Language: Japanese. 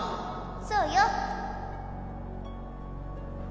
そうよ